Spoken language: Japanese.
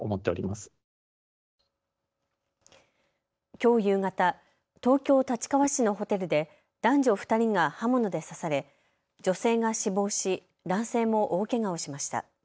きょう夕方、東京立川市のホテルで男女２人が刃物で刺され女性が死亡し、男性も大けがをしました。